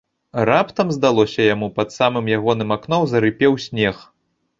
Раптам, здалося яму, пад самым ягоным акном зарыпеў снег.